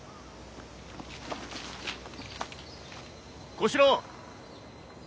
小四郎。